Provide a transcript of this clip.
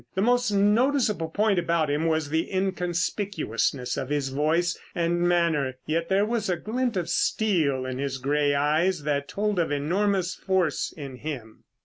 The most noticeable point about him was the inconspicuousness of his voice and manner, yet there was a glint of steel in his gray eyes that told of enormous force in him.